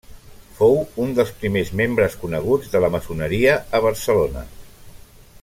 Fou un dels primers membres coneguts de la maçoneria a Barcelona.